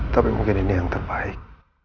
tapi mungkin ini yang terbaik